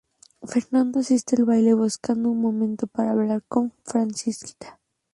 Fernando asiste al baile, buscando un momento para hablar con Francisquita.